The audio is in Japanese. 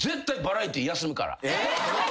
えっ！？